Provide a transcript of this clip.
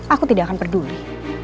aku tidak akan peduli